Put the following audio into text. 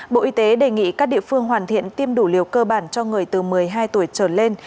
bộ y tế đề nghị các địa phương hoàn thiện tiêm đủ liều cơ bản cho người từ một mươi hai tuổi trở lên